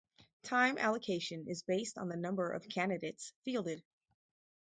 Time allocation is based on the number of candidates fielded.